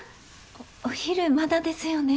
おお昼まだですよね？